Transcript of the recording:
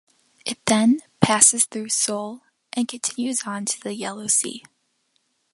It then passes through Seoul and continues on to the Yellow Sea.